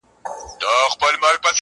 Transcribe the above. حساب نسته سر پر سر یې زېږومه -